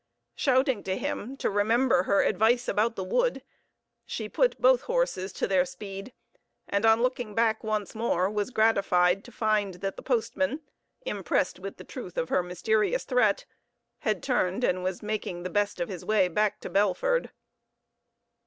Shouting to him to remember her advice about the wood, she put both the horses to their speed, and on looking back once more was gratified to find that the postman, impressed with the truth of her mysterious threat, had turned and was making the best of his way back to Belford.